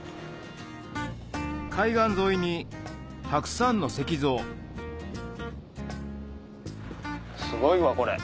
海岸沿いにたくさんの石像すごいわこれ。